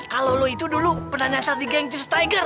kalo lo itu dulu pernah nyasar di gang jesus tiger